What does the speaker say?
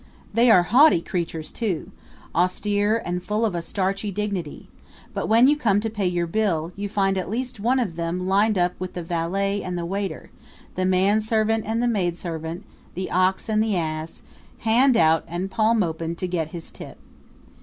They are haughty creatures, too, austere and full of a starchy dignity; but when you come to pay your bill you find at least one of them lined up with the valet and the waiter, the manservant and the maidservant, the ox and the ass, hand out and palm open to get his tip.